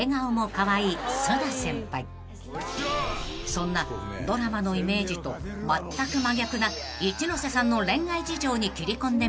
［そんなドラマのイメージとまったく真逆な一ノ瀬さんの恋愛事情に切り込んでみると］